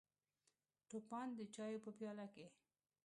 توپان د چایو په پیاله کې: